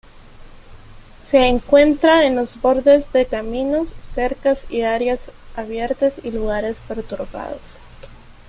Se encuentra en los bordes de caminos, cercas y áreas abiertas y lugares perturbados.